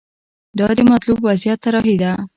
دا د مطلوب وضعیت طراحي ده.